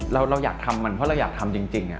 เราอยากทำมันเพราะเราอยากทำจริง